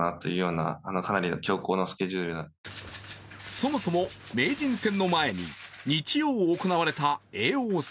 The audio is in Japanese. そもそも名人戦の前に日曜行われた叡王戦。